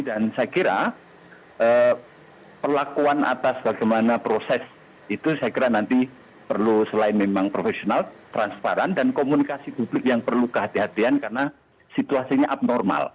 dan saya kira pelakuan atas bagaimana proses itu saya kira nanti perlu selain memang profesional transparan dan komunikasi publik yang perlu kehati hatian karena situasinya abnormal